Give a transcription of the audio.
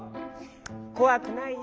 こわくないよ。